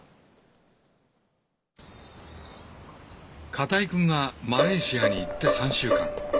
片居くんがマレーシアに行って３週間。